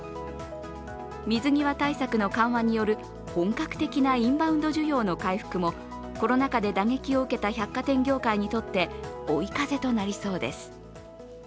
水際対策の緩和による本格的なインバウンド需要の回復もコロナ禍で打撃を受けた百貨店業界にとって追い風となりそうです。